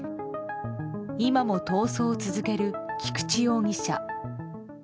今も逃走を続ける菊池容疑者。